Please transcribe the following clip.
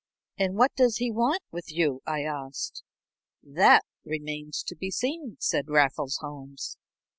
"And what does he want with you?" I asked. "That remains to be seen," said Raffles Holmes.